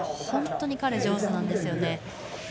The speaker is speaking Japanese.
本当に彼、上手なんですよね。